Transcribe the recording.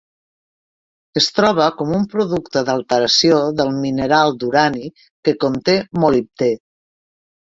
Es troba com un producte d'alteració del mineral d'urani que conté molibdè.